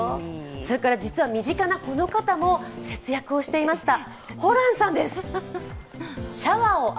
それから実は身近なこの方も節約をしていました。